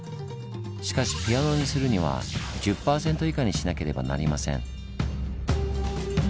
しかしピアノにするには１０％以下にしなければなりません。